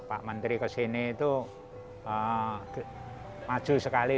pak menteri kesini itu maju sekali